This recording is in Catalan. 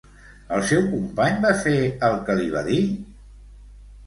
El seu company va fer el que li va dir?